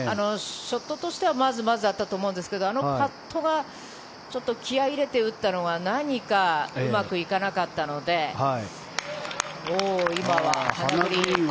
ショットとしてはまずまずだったと思うんですがあのパットが気合を入れて打ったのがうまくいかなかったので今はハナ・グリーンは。